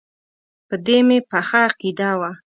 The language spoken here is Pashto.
په دې مې پخه عقیده وه.